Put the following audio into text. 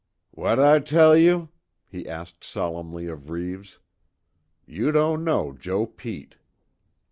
"Whad' I tell you?" he asked solemnly of Reeves. "You don't know Joe Pete."